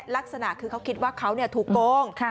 ลักษณะคือเขาคิดว่าเขาถูกโกง